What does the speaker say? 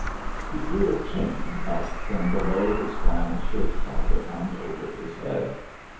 He drew a chain up from below his flannel shirt collar and over his head.